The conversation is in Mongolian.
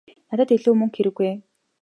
Надад илүү мөнгө хэрэггүй ээ.